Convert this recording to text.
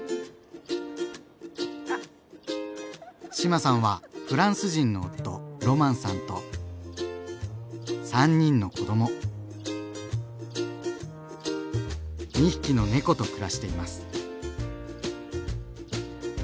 志麻さんはフランス人の夫・ロマンさんと３人の子ども２匹の猫と暮らしています。